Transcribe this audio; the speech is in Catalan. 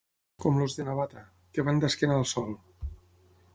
Com els de Navata, que van d'esquena al sol.